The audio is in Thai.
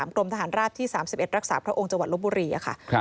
กรมทหารราบที่๓๑รักษาพระองค์จังหวัดลบบุรีค่ะ